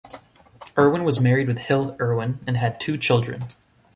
Erwin was married with Hille Erwin and had two children.